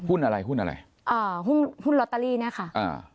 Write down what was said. อะไรหุ้นอะไรอ่าหุ้นหุ้นลอตเตอรี่เนี้ยค่ะอ่า